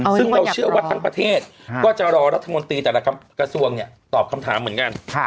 ซึ่งเราเชื่อว่าทั้งประเทศก็จะรอรัฐมนตรีแต่ละกระทรวงเนี่ยตอบคำถามเหมือนกัน